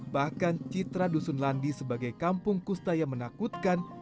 bahkan citra dusun landi sebagai kampung kusta yang menakutkan